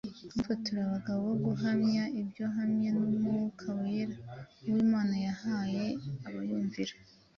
Natwe turi abagabo bo guhamya ibyo hamwe n’Umwuka Wera, uwo Imana yahaye abayumvira.”